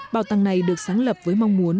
bảo tàng này được sáng lập với mong muốn